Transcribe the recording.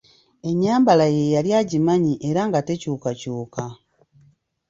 Ennyambala ye yali agimanyi era nga tekyukakyuka.